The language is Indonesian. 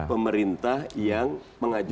pemerintah yang mengajukan